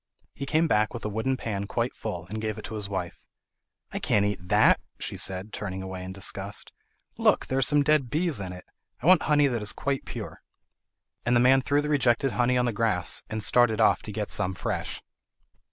He came back with a wooden pan quite full, and gave it to his wife. "I can't eat that," she said, turning away in disgust. "Look! there are some dead bees in it! I want honey that is quite pure." And the man threw the rejected honey on the grass, and started off to get some fresh.